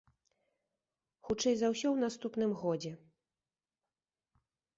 Хутчэй за ўсё, у наступным годзе.